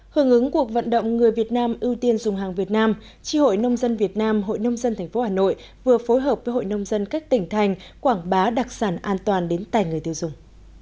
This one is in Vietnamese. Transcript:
hưởng ứng cuộc vận động người việt nam ưu tiên dùng hàng việt nam tri hội nông dân việt nam hội nông dân tp hà nội vừa phối hợp với hội nông dân các tỉnh thành quảng bá đặc sản an toàn đến tài người tiêu dùng